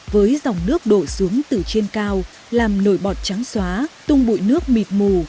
với dòng nước đổ xuống từ trên cao làm nổi bọt trắng xóa tung bụi nước mịt mù